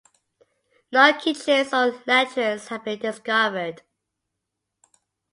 No kitchens or latrines have been discovered.